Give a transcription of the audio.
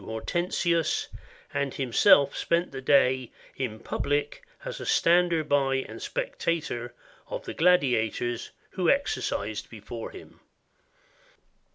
369 ROME to Hortensius, and himself spent the day in public as a stander by and spectator of the gladiators, who exercised before him